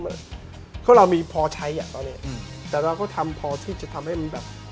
เพราะเรามีพอใช้อ่ะตอนเนี้ยอืมแต่เราก็ทำพอที่จะทำให้มันแบบ